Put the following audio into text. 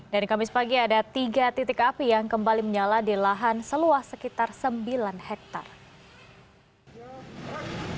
kamis pagi ada tiga titik api yang kembali menyala di lahan seluas sekitar sembilan hektare